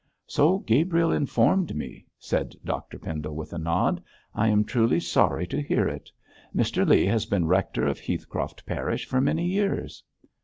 'So Gabriel informed me,' said Dr Pendle, with a nod. 'I am truly sorry to hear it. Mr Leigh has been rector of Heathcroft parish for many years.'